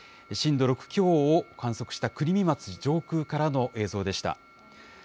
震度６強を観測した、国見町上空からの映像でした。